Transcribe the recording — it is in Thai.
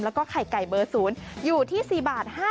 แล้วก็ไข่ไก่เบอร์๐อยู่ที่๔บาท